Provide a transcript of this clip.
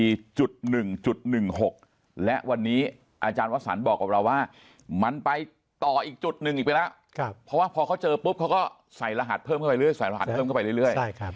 เพราะว่าพอเขาเจอปุ๊บเขาก็ใส่รหัสเพิ่มเข้าไปเรื่อยใส่รหัสเพิ่มเข้าไปเรื่อย